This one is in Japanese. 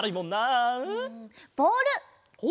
ボール。